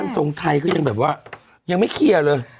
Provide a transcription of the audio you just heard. ทรงไทยก็ยังแบบว่ายังไม่เคลียร์เลย